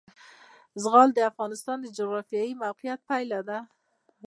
زغال د افغانستان د جغرافیایي موقیعت پایله ده.